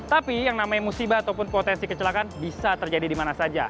tapi yang namanya musibah ataupun potensi kecelakaan bisa terjadi di mana saja